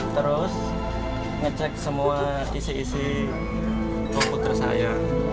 terus ngecek semua isi isi komputer saya